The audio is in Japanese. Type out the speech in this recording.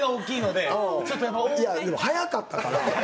でも早かったから。